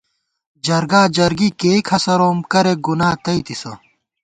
جرگا جرگی کېئی کھسَروم کرېک گُنا تئیتِسہ